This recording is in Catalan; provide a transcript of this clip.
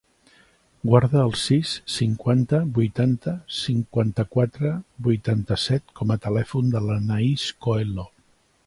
Guarda el sis, cinquanta, vuitanta, cinquanta-quatre, vuitanta-set com a telèfon de l'Anaís Coelho.